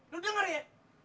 lu denger ya